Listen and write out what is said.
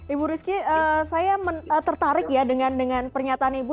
ibu rizky saya tertarik ya dengan pernyataan ibu